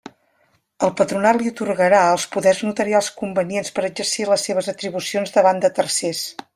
El Patronat li atorgarà els poders notarials convenients per exercir les seves atribucions davant de tercers.